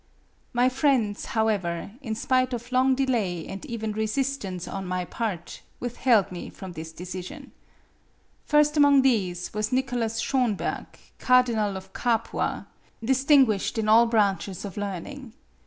My friends, however, in spite of long delay and even resistance on my part, withheld me from this decision. First among these was Nicolaus Schonberg, Cardinal of Capua, distinguished in all branches of learning.